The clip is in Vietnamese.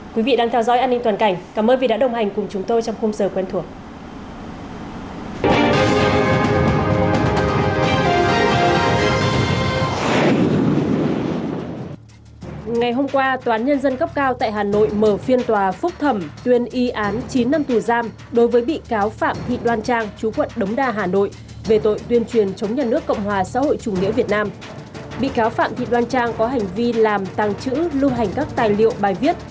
quý vị đang theo dõi an ninh toàn cảnh cảm ơn vì đã đồng hành cùng chúng tôi trong khung giờ quen thuộc